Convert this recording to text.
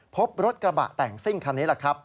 พบรถกระบะแต่งซิ่งคันนี้แหละครับ